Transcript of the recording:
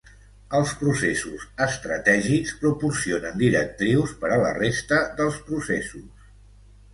Els processos estratègics proporcionen directrius per a la resta dels processos.